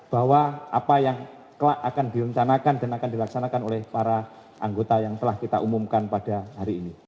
bahwa apa yang akan direncanakan dan akan dilaksanakan oleh para anggota yang telah kita umumkan pada hari ini